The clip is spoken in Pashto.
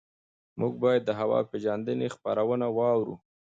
موږ باید د هوا پېژندنې خبرونه واورو.